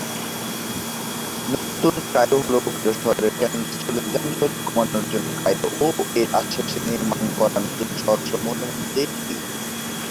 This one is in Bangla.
নতুন কায়রো হল কায়রো শহরের কেন্দ্রস্থলে যানজট কমানোর জন্য কায়রো ও এর আশেপাশে নির্মাণ করা নতুন শহরসমূহের মধ্যে একটি।